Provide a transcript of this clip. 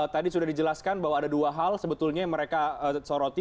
tadi sudah dijelaskan bahwa ada dua hal sebetulnya yang mereka soroti